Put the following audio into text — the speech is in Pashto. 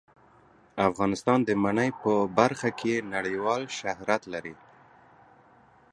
افغانستان د منی په برخه کې نړیوال شهرت لري.